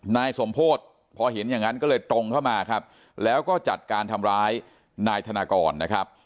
นายสมโพธิพอเห็นอย่างนั้นก็เลยตรงเข้ามาครับแล้วก็จัดการทำร้ายนายธนากรนะครับ